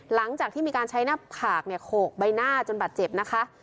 หลังจากที่มีการใช้หน้าผากเนี่ยโขกใบหน้าจนบาดเจ็บนะคะ